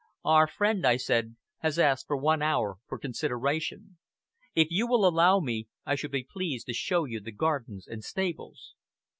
"Our friend," I said, "has asked for one hour for consideration. If you will allow me, I should be pleased to show you the gardens and stables."